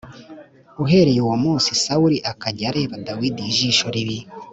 Uhereye uwo munsi, Sawuli akajya areba Dawidi ijisho ribi.